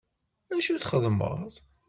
Acu txeddmeḍ!